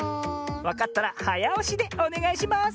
わかったらはやおしでおねがいします！